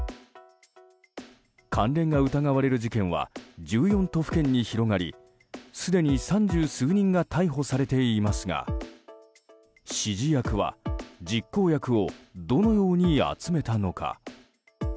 関連が疑われる事件は１４都府県に広がりすでに三十数人が逮捕されていますが指示役は実行役をどのように集めたのか。